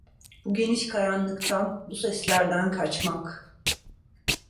Bu geniş karanlıktan, bu seslerden kaçmak…